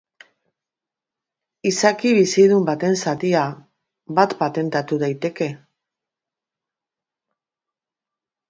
Izaki bizidun baten zatia bat patentatu daiteke?